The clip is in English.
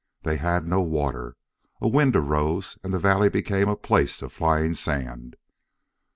They had no water. A wind arose and the valley became a place of flying sand.